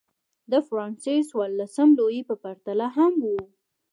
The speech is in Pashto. دا د فرانسې څوارلسم لويي په پرتله هم و.